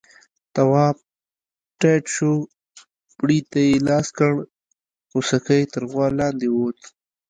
تواب ټيټ شو، پړي ته يې لاس کړ، خوسکی تر غوا لاندې ووت.